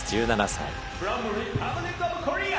１７歳。